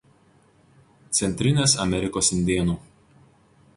Centrinės Amerikos indėnų.